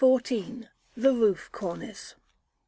THE ROOF CORNICE.